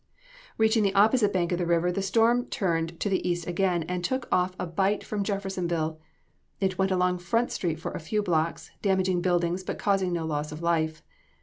"Reaching the opposite bank of the river, the storm turned to the east again and took off a bite from Jeffersonville. It went along Front street for a few blocks, damaging buildings, but causing no loss of life.